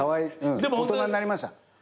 大人になりました。